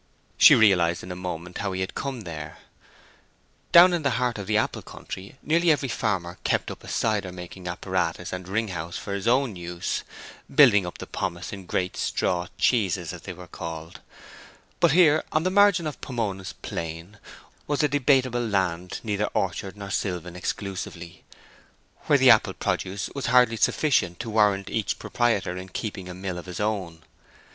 She realized in a moment how he had come there. Down in the heart of the apple country nearly every farmer kept up a cider making apparatus and wring house for his own use, building up the pomace in great straw "cheeses," as they were called; but here, on the margin of Pomona's plain, was a debatable land neither orchard nor sylvan exclusively, where the apple produce was hardly sufficient to warrant each proprietor in keeping a mill of his own.